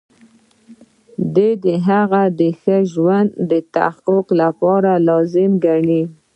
دی هغه د ښه ژوند د تحقق لپاره لازم ګڼي.